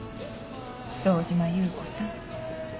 堂島優子さん。